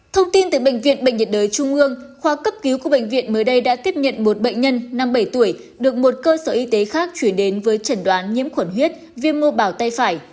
thông tin từ bệnh viện bệnh nhiệt đới trung ương khoa cấp cứu của bệnh viện mới đây đã tiếp nhận một bệnh nhân năm mươi bảy tuổi được một cơ sở y tế khác chuyển đến với chẩn đoán nhiễm khuẩn huyết viêm mô bào tay phải